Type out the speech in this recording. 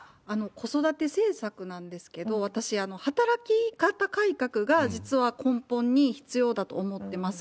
子育て政策なんですけど、私、働き方改革が実は根本に必要だと思ってます。